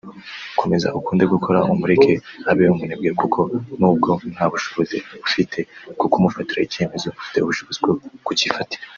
Komeza ukunde gukora umureke abe umunebwe kuko nubwo nta bushobozi ufite bwo kumufatira icyemezo ufite ubushobozi bwo kucyifatira